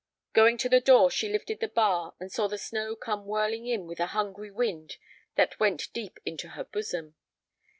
Going to the door, she lifted the bar and saw the snow come whirling in with a hungry wind that went deep into her bosom.